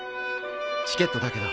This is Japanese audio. チケットだけど。